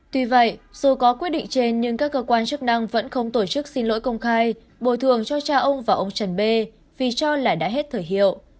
tuy vậy dù có quyết định trên nhưng các cơ quan chức năng vẫn không tổ chức xin lỗi công khai bồi thường cho cha ông và ông trần bê vì cho là đã hết thời hiệu